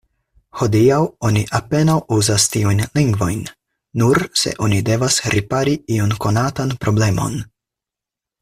Hodiaŭ oni apenaŭ uzas tiujn lingvojn, nur se oni devas ripari iun konatan problemon.